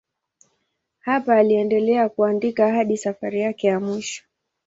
Hapa aliendelea kuandika hadi safari yake ya mwisho.